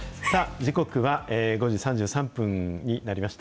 時刻は５時３３分になりました。